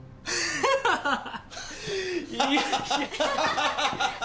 ハハハハ。